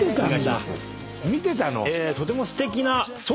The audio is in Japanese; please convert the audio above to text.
とてもすてきな。